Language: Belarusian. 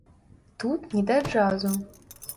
Тут не да джазу.